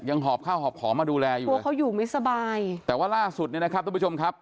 หอบข้าวหอบของมาดูแลอยู่เพราะเขาอยู่ไม่สบายแต่ว่าล่าสุดเนี่ยนะครับทุกผู้ชมครับ